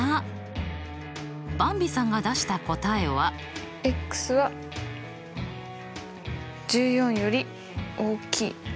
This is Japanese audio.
ばんびさんが出した答えは。は１４より大きい。